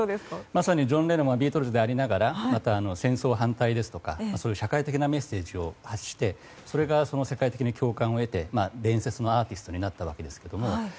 まさにジョン・レノンはビートルズでありながらまた戦争反対や社会的なメッセージを発してそれが世界的に共感を得て伝説のアーティストになったわけですけれども。